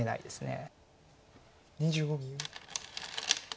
２５秒。